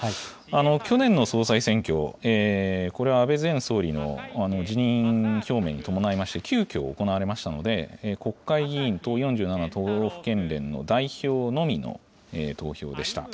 去年の総裁選挙、これは安倍前総理の辞任表明に伴いまして、急きょ行われましたので、国会議員と４７都道府県連の代表のみの投票でした。